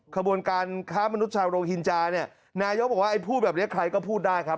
ขบวนการค้ามนุษยชาวโรฮินจาเนี่ยนายกบอกว่าไอ้พูดแบบนี้ใครก็พูดได้ครับ